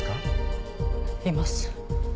います。